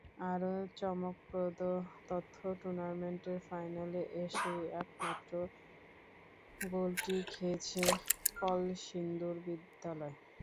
আরও চমকপ্রদ তথ্য, টুর্নামেন্টের ফাইনালে এসেই একমাত্র গোলটি খেয়েছে কলসিন্দুর বিদ্যালয়।